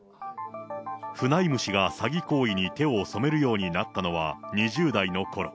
フナイム氏が詐欺行為に手を染めるようになったのは２０代のころ。